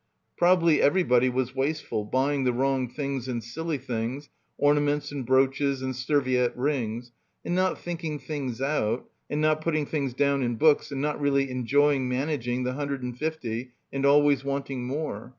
Probably everybody was wasteful, buying the wrong things and silly things, ornaments and brooches and serviette rings; ... and not thinking things out and not putting things down in books and not really enjoying managing the hundred and fifty and always wanting more.